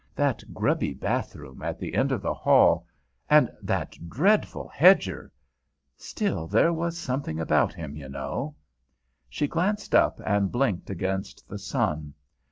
That grubby bathroom at the end of the hall, and that dreadful Hedger still, there was something about him, you know " She glanced up and blinked against the sun.